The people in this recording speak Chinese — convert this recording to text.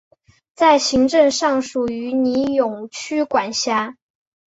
在行政上属于尼永区管辖。